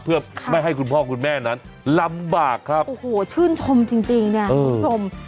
เพื่อไม่ให้คุณพ่อคุณแม่นั้นลำบากครับโอ้โหชื่นชมจริงจริงเนี่ยคุณผู้ชม